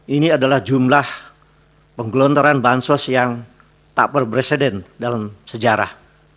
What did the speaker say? ini adalah jumlah penggelontoran bansos yang tak berpresiden dalam sejarah